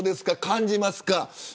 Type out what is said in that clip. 感じますか。